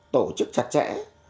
tổ chức chặt chẽ